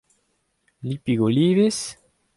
Lipig olivez ?